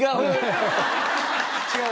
違う？